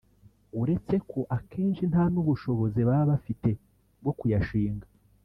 uretse ko akenshi nta n’ubushobozi baba bafite bwo kuyashinga